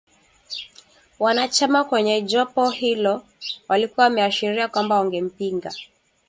Wanachama kwenye jopo hilo walikuwa wameashiria kwamba wangempinga